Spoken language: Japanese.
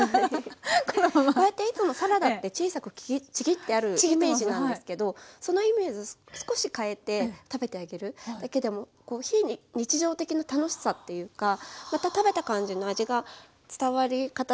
こうやっていつもサラダって小さくちぎってあるイメージなんですけどそのイメージを少し変えて食べてあげるだけでも非日常的な楽しさっていうかまた食べた感じの味が伝わり方も違ってきたりするのではい。